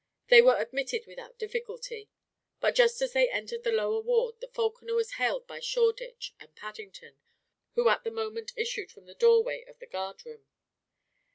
They were admitted without difficulty; but just as they entered the lower ward the falconer was hailed by Shoreditch and Paddington, who at the moment issued from the doorway of the guard room.